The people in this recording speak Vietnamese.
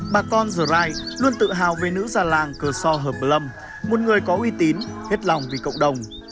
bà con trà rai luôn tự hào về nữ gia làng cơ sơ hợp lâm một người có uy tín hết lòng vì cộng đồng